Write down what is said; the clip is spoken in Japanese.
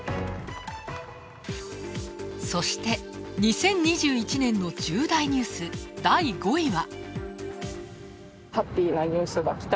そして、２０２１年の重大ニュース、第５位は。